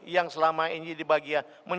yang selama ini menjadi bagian dari kondisi